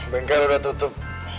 bang ker udah tutup